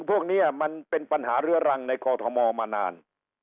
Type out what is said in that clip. พวกนี้มันเป็นปัญหาเรื้อรังในกอทมมานาน